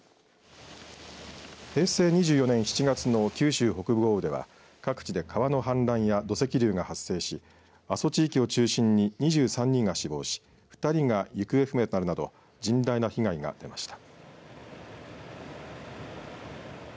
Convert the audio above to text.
平成２４年７月の九州北部豪雨では各地で川の氾濫や土石流が発生し阿蘇地域を中心に２３人が死亡し２人が行方不明となるなど甚大な被害が出ました。